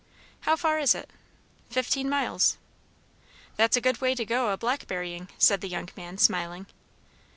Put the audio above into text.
"How far is it?" "Fifteen miles." "That's a good way to go a blackberrying," said the young man, smiling.